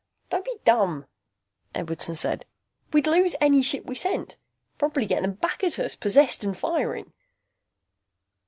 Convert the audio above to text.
"Don't be dumb," Edwardson said. "We'd lose any ship we sent. Probably get them back at us, possessed and firing."